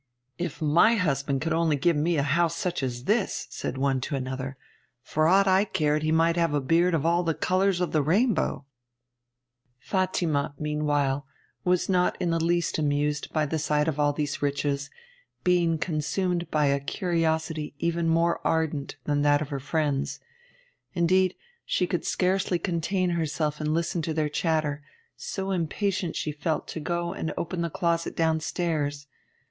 'If my husband could only give me such a house as this,' said one to another, 'for aught I cared he might have a beard of all the colours of the rainbow!' [Illustration: They overran the house without loss of time.] Fatima, meanwhile, was not in the least amused by the sight of all these riches, being consumed by a curiosity even more ardent than that of her friends. Indeed, she could scarcely contain herself and listen to their chatter, so impatient she felt to go and open the closet downstairs.